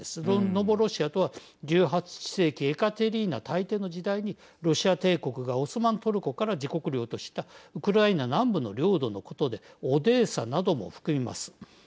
ノボロシアとは１８世紀エカテリーナ大帝の時代にロシア帝国がオスマントルコから自国領としたウクライナ南部の領土のことでオデーサなども含みます。